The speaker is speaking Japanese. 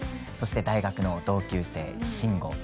大学の同級生、慎吾。